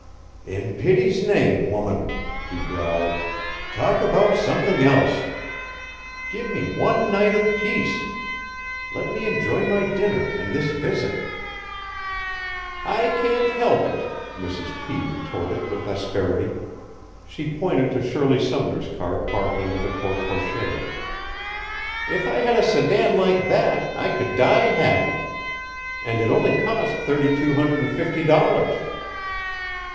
"In pity's name, woman," he growled, "talk about something else. Give me one night of peace. Let me enjoy my dinner and this visit." "I can't help it," Mrs. P. retorted with asperity. She pointed to Shirley Sumner's car parked under the porte cochere. "If I had a sedan like that, I could die happy. And it only cost thirty two hundred and fifty dollars."